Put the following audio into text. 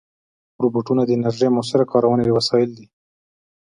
روبوټونه د انرژۍ مؤثره کارونې وسایل دي.